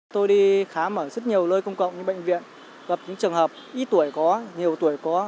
tôi đi khám ở rất nhiều nơi công cộng như bệnh viện gặp những trường hợp ít tuổi có nhiều tuổi có